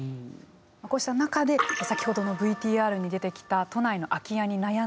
こうした中で先ほどのＶＴＲに出てきた都内の空き家に悩んでいた男性